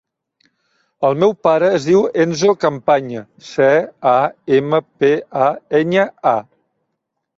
El meu pare es diu Enzo Campaña: ce, a, ema, pe, a, enya, a.